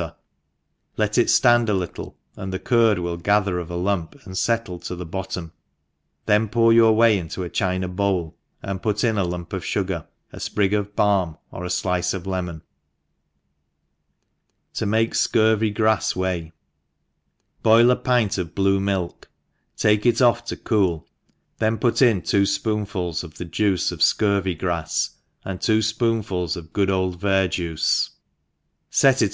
ter, let it ftand a little, and the curd will gather in a lump, and fettle to the bottom, then pour your whey into a china bowl, and put in a lump ^f fugar, a fprig of balm, or a ilice of lemon. To I.. JI4 THE EXPERIENCElJ^ . ^0 make Scukvy Grass Whey. BOIL a plot of blue milk, take it off to cool, then put in two fpoonfuls of the juice of fcurvy gr^s, and two fpoonfuls of good old verjuice, fet it o?